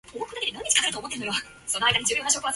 It was published by Vintage Books.